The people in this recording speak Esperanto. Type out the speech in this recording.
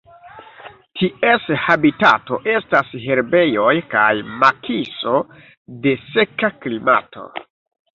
Ties habitato estas herbejoj kaj makiso de seka klimato.